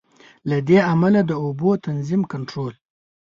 له دې امله د اوبو تنظیم، کنټرول.